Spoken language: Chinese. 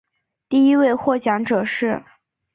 第一位获奖者是。